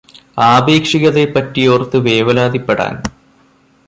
ആപേക്ഷികതയെ പറ്റിയോര്ത്ത് വേവലാതിപ്പെടാന്